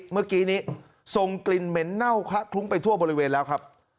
เมื่อกี้นี้ส่งกลิ่นเหม็นเน่าคละคลุ้งไปทั่วบริเวณแล้วครับ